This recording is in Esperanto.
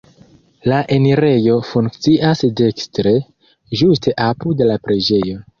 La enirejo funkcias dekstre, ĝuste apud la preĝejo.